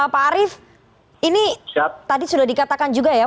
pak arief ini tadi sudah dikatakan juga ya